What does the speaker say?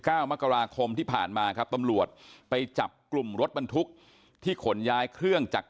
เก้ามกราคมที่ผ่านมาครับตำรวจไปจับกลุ่มรถบรรทุกที่ขนย้ายเครื่องจักร